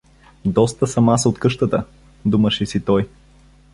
„Доста съм аз от къщата“ — думаше си той.